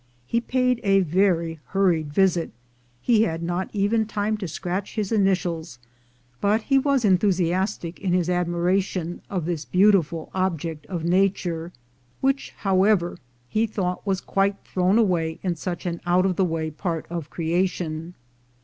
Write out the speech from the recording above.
He paid a very hurried visit — he had not even time to scratch his initials; but he was THE DAY WE CELEBRATE 341 enthusiastic in his admiration of this beautiful object of nature, which, however, he thought was quite thrown away in such an out of the way part of creation.